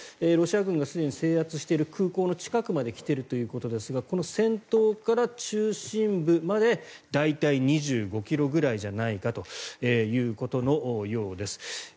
ロシア軍がすでに制圧している空港の近くまで来ているということですがこの先頭から中心部まで大体２５ｋｍぐらいじゃないかということのようです。